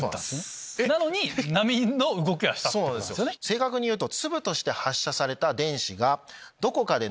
正確にいうと。